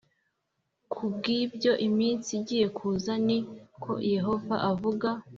Ku bw ibyo iminsi igiye kuza ni ko yehova avuga